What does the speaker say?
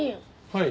はい。